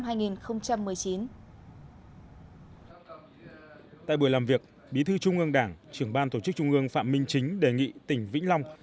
tại buổi làm việc bí thư trung ương đảng trưởng ban tổ chức trung ương phạm minh chính đề nghị tỉnh vĩnh long